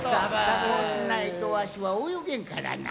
そうしないとわしはおよげんからな。